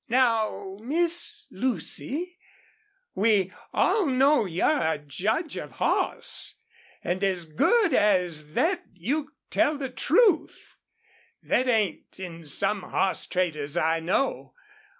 "Now, Miss Lucy, we all know you're a judge of a hoss. And as good as thet you tell the truth. Thet ain't in some hoss traders I know....